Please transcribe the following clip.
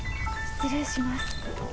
失礼します。